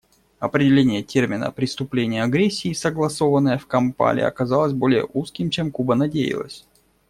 Определение термина «преступление агрессии», согласованное в Кампале, оказалось более узким, чем Куба надеялась.